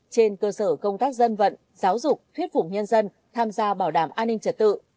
trên cơ sở công tác dân vận giáo dục thuyết phục nhân dân tham gia bảo đảm an ninh trật tự